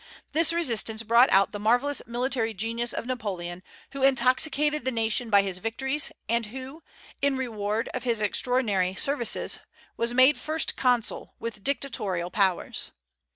This resistance brought out the marvellous military genius of Napoleon, who intoxicated the nation by his victories, and who, in reward of his extraordinary services, was made First Consul, with dictatorial powers.